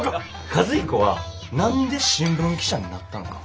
和彦は何で新聞記者になったのか。